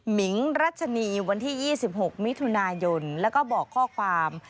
มิงรัชนีวันที่๒๖มิถุนายนแล้วก็บอกข้อความ